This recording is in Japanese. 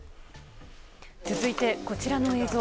続いて、こちらの映像。